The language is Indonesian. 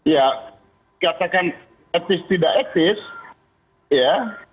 ya katakan etis tidak etis ya